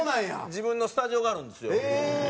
自分のスタジオがあるんですよ。